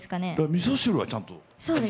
みそ汁はちゃんと。